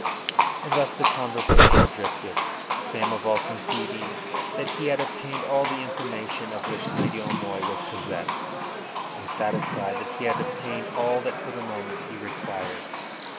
And thus the conversation drifted, Samoval conceiving that he had obtained all the information of which Lady O'Moy was possessed, and satisfied that he had obtained all that for the moment he required.